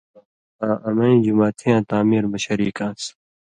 آں امَیں جُماتِھیاں تعمیر مہ شریک آن٘س